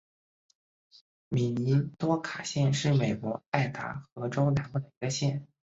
米尼多卡县是美国爱达荷州南部的一个县。